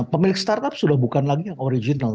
pemilik startup sudah bukan lagi yang original